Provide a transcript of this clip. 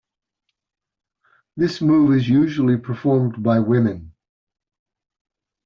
This move is usually performed by women.